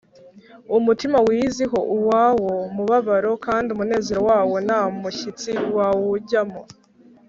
umutima wiyiziho uwawo mubabaro, kandi umunezero wawo nta mushyitsi wawujyamo